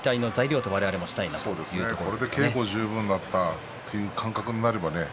これで稽古十分だったという感覚になればね